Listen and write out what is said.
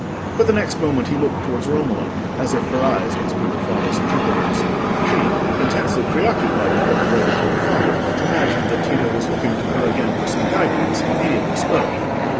But the next moment he looked towards Romola, as if her eyes must be her father's interpreters. She, intensely preoccupied with what related to her father, imagined that Tito was looking to her again for some guidance, and immediately spoke.